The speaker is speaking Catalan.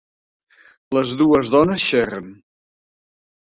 Les dues dones xerren.